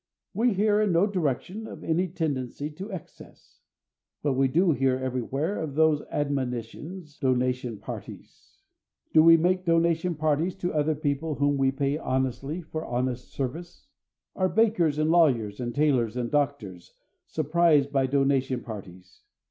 We hear in no direction of any tendency to excess; but we do hear everywhere of those abominations, "donation parties!" Do we make donation parties to other people whom we pay honestly for honest service? Are bakers and lawyers and tailors and doctors surprised by donation parties?